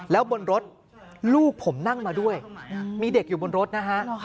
แล้วบนรถลูกผมนั่งมาด้วยมีเด็กอยู่บนรถนะฮะ